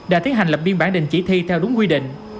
đã tiến hành lập biên bản đình chỉ thi theo đúng quy định